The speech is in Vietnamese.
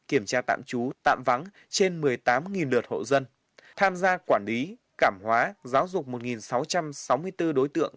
kiểm tra tạm trú tạm vắng trên một mươi tám lượt hộ dân tham gia quản lý cảm hóa giáo dục một sáu trăm sáu mươi bốn đối tượng